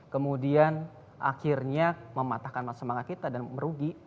kemudian akhirnya mematahkan semangat kita dan merugi